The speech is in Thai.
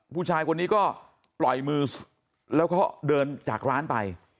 ผู้ชายคนนี้ก็ปล่อยมือแล้วก็เดินจากร้านไป